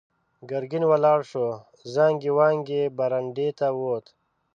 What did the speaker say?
ګرګين ولاړ شو، زانګې وانګې برنډې ته ووت.